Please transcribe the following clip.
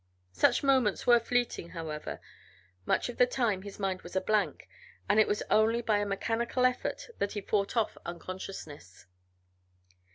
Such moments were fleeting, however; much of the time his mind was a blank, and it was only by a mechanical effort that he fought off unconsciousness.